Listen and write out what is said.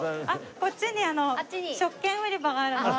こっちに食券売り場があるので。